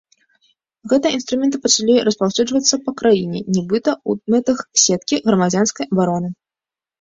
Гэтыя інструменты пачалі распаўсюджвацца па краіне, нібыта ў мэтах сеткі грамадзянскай абароны.